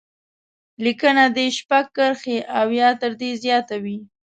لیکنه دې شپږ کرښې او یا تر دې زیاته وي.